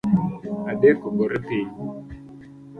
Adek ogore piny